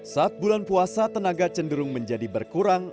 saat bulan puasa tenaga cenderung menjadi berkurang